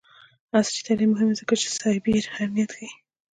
عصري تعلیم مهم دی ځکه چې سایبر امنیت ښيي.